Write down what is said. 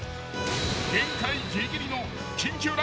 ［限界ギリギリの］